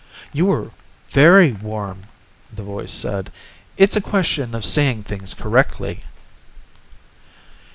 "You were very warm," the voice said. "It's a question of seeing things correctly."